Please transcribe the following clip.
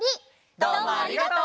どうもありがとう。